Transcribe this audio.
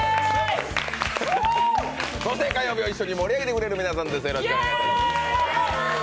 そして火曜日を一緒に盛り上げてくれる皆さんです。